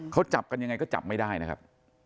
เขาจับกันยังไงก็จับไม่ได้นะครับ